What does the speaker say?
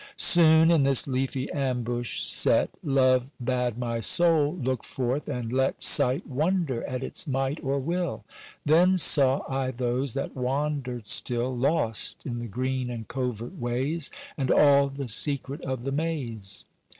Soon, in this leafy ambush set, Love bade my soul look forth and let Sight wonder at its might or will. Then saw I those that wandered still Lost in the green and covert ways, And all the secret of the maze.